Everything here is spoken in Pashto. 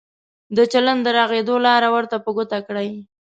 د چلند د رغېدو لار ورته په ګوته کړئ.